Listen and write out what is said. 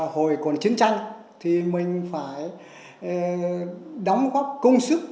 hồi còn chiến tranh thì mình phải đóng góp công sức